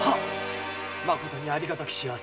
まことに有り難き幸せ！